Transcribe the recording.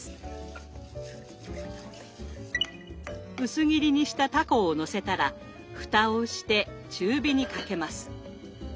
薄切りにしたたこをのせたらふたをして中火にかけます。